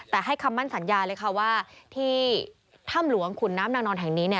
แต่ให้คำมั่นสัญญาเลยค่ะว่าที่ถ้ำหลวงขุนน้ำนางนอนแห่งนี้